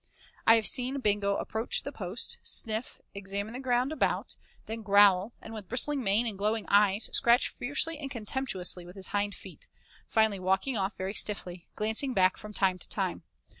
I have seen Bingo approach the post, sniff, examine the ground about, then growl, and with bristling mane and glowing eyes, scratch fiercely and contemptuously with his hind feet, finally walking off very stiffly, glancing back from time to time.